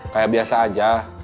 kayak biasa aja